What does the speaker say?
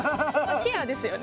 ケアですよね